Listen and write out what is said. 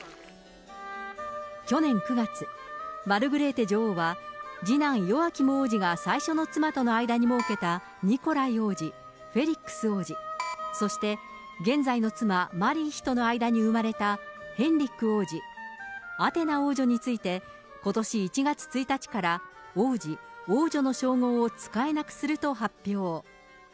去年９月、マルグレーテ女王は、次男、ヨアキム王子が最初の妻との間に設けたニコライ王子、フェリックス王子、そして現在の妻、マリー妃との間に生まれたヘンリック王子、アテナ王女について、ことし１月１日から、王子、王女の称号を使えなくすると発表。